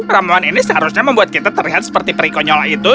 ramuan ini seharusnya membuat kita terlihat seperti perikonyol itu